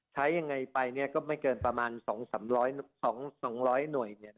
ใช้ยังไงไปก็ไม่เกินประมาณ๒๐๐หน่วย